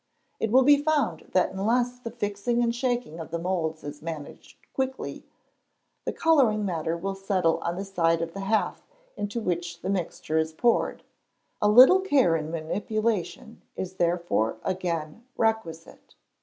It will be found that unless the fixing and shaking of the moulds is managed quickly, the colouring matter will settle on the side of the half into which the mixture is poured; a little care in manipulation is therefore again requisite.